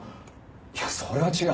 いやそれは違う。